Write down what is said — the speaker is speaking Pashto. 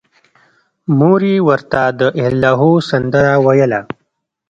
مور یې ورته د اللاهو سندره ویله